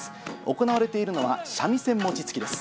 行われているのは、三味線餅つきです。